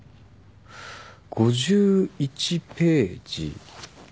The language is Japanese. ５１ページ。